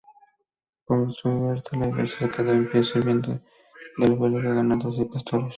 Por suerte, la iglesia quedó en pie, sirviendo de albergue a ganados y pastores.